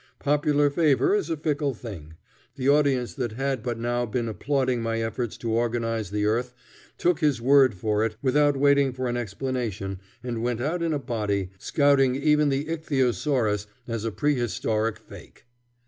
Popular favor is a fickle thing. The audience that had but now been applauding my efforts to organize the earth took his word for it without waiting for an explanation and went out in a body, scouting even the ichthyosaurus as a prehistoric fake.